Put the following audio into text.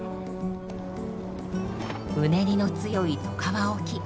うねりの強い外川沖。